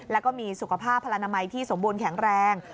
แล้วก็มีสุขภาพพลนามัยที่สมบูรณแข็งแรง